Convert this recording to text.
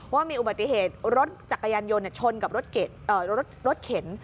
ว่ามีอุบัติเหตุรถจักรยานยนต์ชนกับรถเข็น